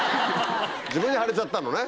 自分に貼っちゃったのね？